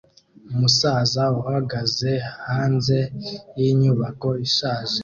Umusaza uhagaze hanze yinyubako ishaje